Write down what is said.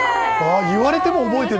言われても覚えてない！